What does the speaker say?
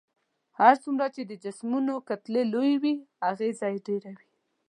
هر څومره چې د جسمونو کتلې لويې وي اغیزه ډیره وي.